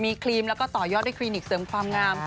มีครีมแล้วก็ต่อยอดด้วยคลินิกเสริมความงาม